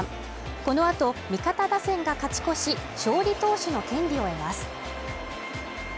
この後、味方打線が勝ち越し、勝利投手の権利を得ます。